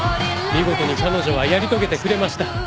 見事に彼女はやり遂げてくれました。